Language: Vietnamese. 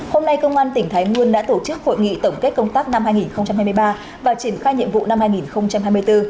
hôm nay công an tỉnh thái nguyên đã tổ chức hội nghị tổng kết công tác năm hai nghìn hai mươi ba và triển khai nhiệm vụ năm hai nghìn hai mươi bốn